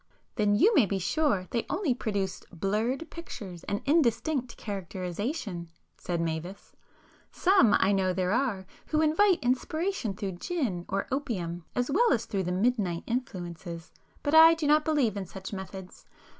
"Then you may be sure they only produce blurred pictures and indistinct characterization," said Mavis—"Some I know there are, who invite inspiration through gin or opium, as well as through the midnight influences, but I do not believe in such methods.